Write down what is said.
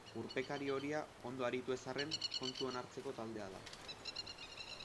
Urpekari horia ondo aritu ez arren, kontuan hartzeko taldea da.